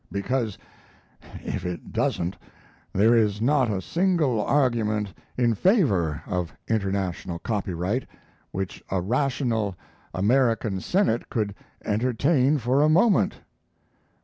Because, if it doesn't, there is not a single argument in favor of international copyright which a rational American Senate could entertain for a moment.